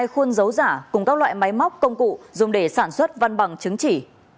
hai trăm một mươi hai khuôn dấu giả cùng các loại máy móc công cụ dùng để sản xuất văn bằng chứng chỉ